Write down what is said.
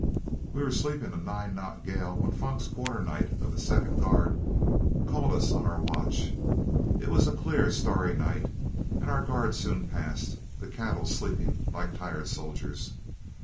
We were sleeping a nine knot gale when Fox Quarternight of the second guard called us on our watch. It was a clear, starry night, and our guard soon passed, the cattle sleeping like tired soldiers.